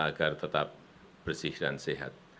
agar tetap bersih dan sehat